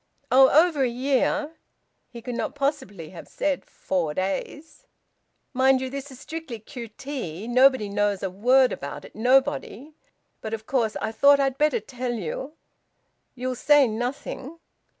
"Oh! Over a year." He could not possibly have said "four days." "Mind you this is strictly q.t.! Nobody knows a word about it, nobody! But of course I thought I'd better tell you. You'll say nothing."